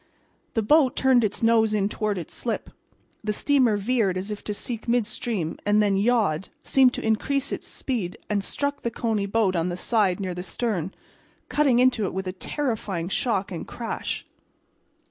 The boat turned its nose in toward its slip. The steamer veered as if to seek midstream, and then yawed, seemed to increase its speed and struck the Coney boat on the side near the stern, cutting into it with a terrifying shock and crash.